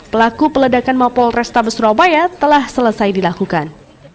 pelaku peledakan mopol restab surabaya telah selesai dilakukan